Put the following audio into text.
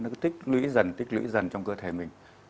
nó cứ tích lũy dần tích lũy dần trong cơ thể mình